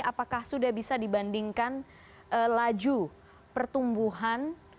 apakah sudah bisa dibandingkan laju pertumbuhan